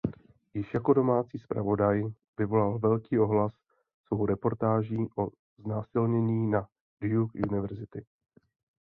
Již jako domácí zpravodaj vyvolal velký ohlas svou reportáží o znásilnění na Duke University.